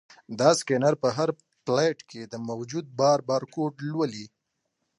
دا سکینر په هر پلیټ کې د موجود بار بارکوډ لولي.